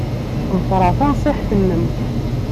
Ḍefreɣ tanṣiḥt-nnem.